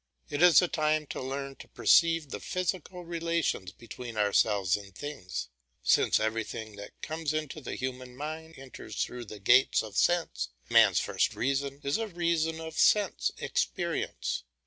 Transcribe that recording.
It is the time to learn to perceive the physical relations between ourselves and things. Since everything that comes into the human mind enters through the gates of sense, man's first reason is a reason of sense experience.